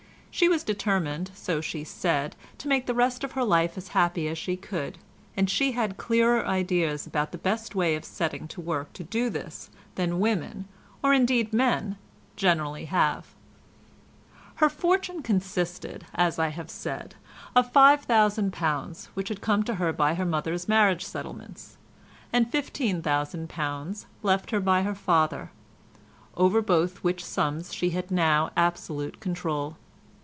She was determined, so she said, to make the rest of her life as happy as she could, and she had clearer ideas about the best way of setting to work to do this than women, or indeed men, generally have. Her fortune consisted, as I have said, of £5000, which had come to her by her mother's marriage settlements, and £15,000 left her by her father, over both which sums she had now absolute control.